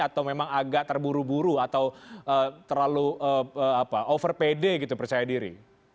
atau memang agak terburu buru atau terlalu overpede gitu percaya diri